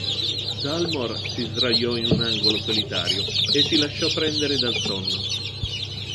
Dalmor si sdraiò in un angolo solitario e si lasciò prendere dal sonno.